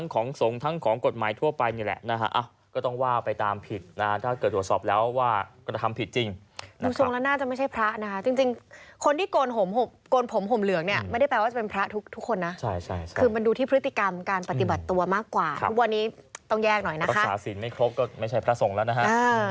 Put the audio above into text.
ก็ต้องว่าไปตามผิดนะฮะถ้าเกิดตรวจสอบแล้วว่าก็จะทำผิดจริงดูสงฆ์แล้วน่าจะไม่ใช่พระนะฮะจริงคนที่โกนผมห่มเหลืองเนี่ยไม่ได้แปลว่าจะเป็นพระทุกคนนะคือมันดูที่พฤติกรรมการปฏิบัติตัวมากกว่าวันนี้ต้องแยกหน่อยนะฮะปรับศาสินไม่ครบก็ไม่ใช่พระสงฆ์แล้วนะฮะ